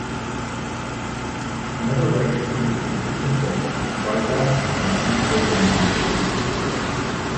Another legacy is the existence of trigraphs in the C programming language.